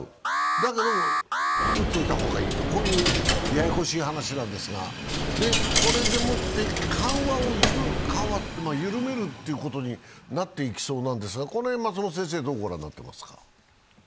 だけど打っといた方がいいというややこしい話なんですが、これでもって、緩和、緩めるってことになっていきそうなんですがこの辺はどう御覧になっていますか？